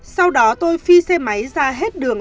sau đó tôi phi xe máy ra hết đường